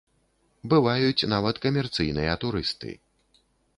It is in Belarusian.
Бываюць нават камерцыйныя турысты.